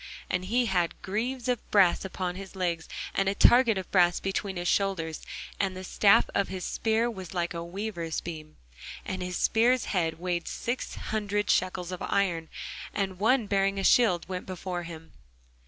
And he had greaves of brass upon his legs, and a target of brass between his shoulders. And the staff of his spear was like a weaver's beam; and his spear's head weighed six hundred shekels of iron: and one bearing a shield went before him.